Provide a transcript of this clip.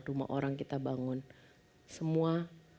rumah orang kita bangun semua